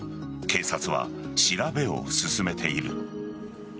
警察は調べを進めている。